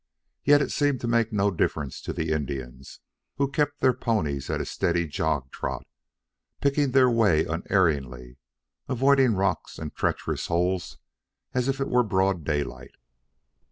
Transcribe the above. Yet it seemed to make no difference to the Indians, who kept their ponies at a steady jog trot, picking their way unerringly, avoiding rocks and treacherous holes as if it were broad daylight.